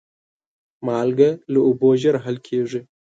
مالګه له اوبو ژر حل کېږي.